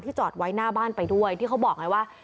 จอดไว้หน้าบ้านไปด้วยที่เขาบอกไงว่า